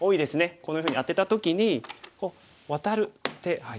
こんなふうにアテた時にワタる手。